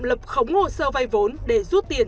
lập khống hồ sơ vay vốn để rút tiền